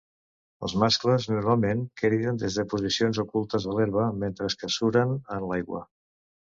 Els mascles normalment criden des de posicions ocultes a l'herba, mentre que suren en l'aigua.